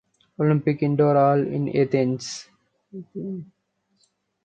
Olympic Indoor Hall in Athens.